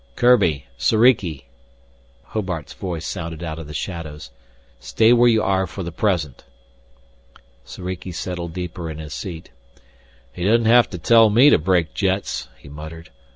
"Kurbi! Soriki!" Hobart's voice sounded out of the shadows. "Stay where you are for the present." Soriki settled deeper in his seat. "He doesn't have to tell me to brake jets," he muttered.